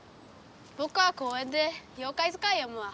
ぼくは公園で「妖怪図鑑」読むわ。